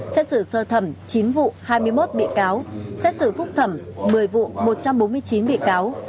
xét xử sơ thẩm chín vụ hai mươi một bị cáo xét xử phúc thẩm một mươi vụ một trăm bốn mươi chín bị cáo